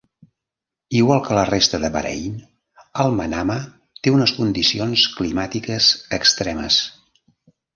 Igual que la resta de Bahrain, Al-Manama té unes condicions climàtiques extremes.